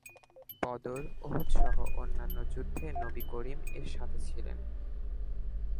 বদর, উহুদসহ অন্যান্য যুদ্ধে নবী করীম এর সাথে ছিলেন।